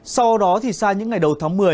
sau đó thì sang những ngày đầu tháng một mươi